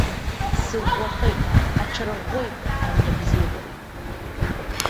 Сыӷәӷәахеит, аҽарӷәӷәеит ани абзиабарагьы.